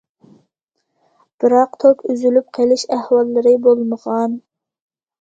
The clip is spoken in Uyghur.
بىراق توك ئۈزۈلۈپ قېلىش ئەھۋاللىرى بولمىغان.